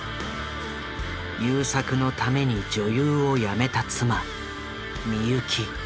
優作のために女優をやめた妻美由紀。